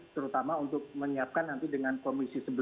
terutama untuk menyiapkan nanti dengan komisi sebelas